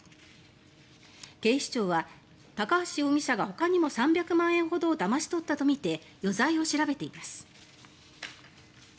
警視庁は高橋容疑者がほかにも３００万円ほどをだまし取ったとみて余罪を調べています。